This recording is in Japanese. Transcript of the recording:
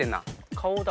顔だ。